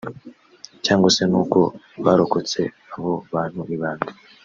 cyangwa se nuko barokotse abo bantu ni bande